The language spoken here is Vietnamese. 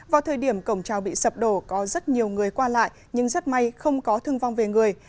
vào thời điểm cổng trào bị sập đổ có rất nhiều người qua lại nhưng rất may không có thương vong về người